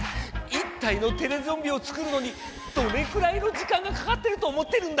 １体のテレゾンビを作るのにどれくらいの時間がかかってると思ってるんだ！